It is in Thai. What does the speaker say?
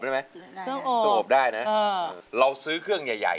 เครื่องอบได้นะเราซื้อเครื่องใหญ่นี่